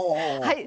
はい。